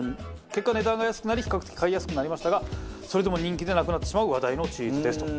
結果値段が安くなり比較的買いやすくなりましたがそれでも人気でなくなってしまう話題のチーズですと。